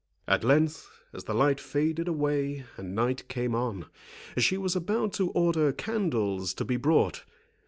At length, as the light faded away, and night came on, she was about to order candles to be brought.